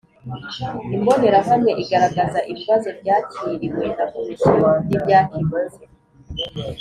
Imbonerahamwe igaragaza ibibazo byakiriwe na Komisiyo n ibyakemutse